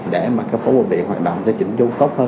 để mà phố bùi viện hoạt động cho chỉnh dung tốt hơn